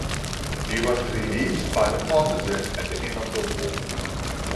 He was released by the partisans at the end of the war.